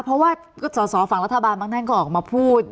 เพราะว่าสอสอฝั่งรัฐบาลบางท่านก็ออกมาพูด